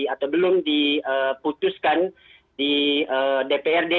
atau belum diputuskan di dprd